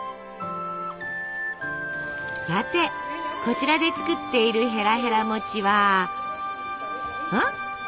さてこちらで作っているへらへら餅はうん？